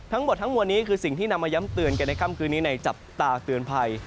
ทั้งหมดทั้งมวลนี้คือสิ่งที่นำมาย้ำเตือนกันในค่ำคืนนี้ในจับตาเตือนภัย